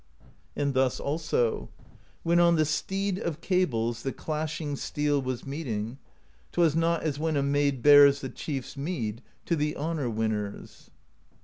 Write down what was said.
And thus also: When on the Steed of Cables The clashing steel was meeting, 'T was not as when a maid bears The Chief's mead to the Honor Winners.